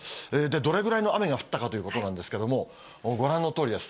どれぐらいの雨が降ったかということなんですが、ご覧のとおりです。